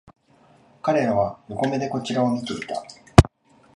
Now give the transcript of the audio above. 彼らは横目でこちらを見ていた